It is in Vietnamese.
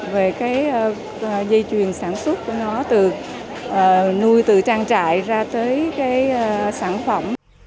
về dây chuyền sản xuất của nó nuôi từ trang trại ra tới sản phẩm